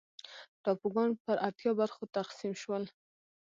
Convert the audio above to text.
ټاپوګان پر اتیا برخو تقسیم شول.